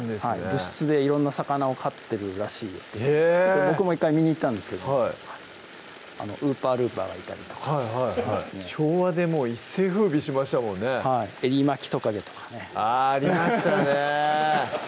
部室で色んな魚を飼ってるらしいですけど僕も１回見に行ったんですけどウーパールーパーがいたりとかはいはいはい昭和で一世風靡しましたもんねはいエリマキトカゲとかねあぁありましたね